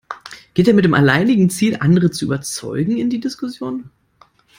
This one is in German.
Geht er mit dem alleinigen Ziel, andere zu überzeugen, in die Diskussion?